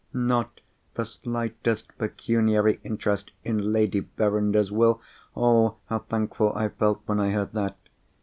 Not the slightest pecuniary interest in Lady Verinder's Will. Oh, how thankful I felt when I heard that!